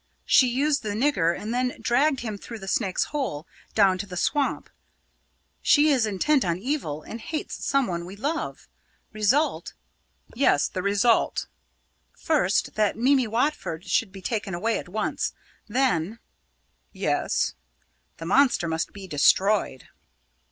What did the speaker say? She used the nigger, and then dragged him through the snake's hole down to the swamp; she is intent on evil, and hates some one we love. Result ..." "Yes, the result?" "First, that Mimi Watford should be taken away at once then " "Yes?" "The monster must be destroyed."